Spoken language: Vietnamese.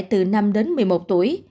từ năm đến một mươi một tuổi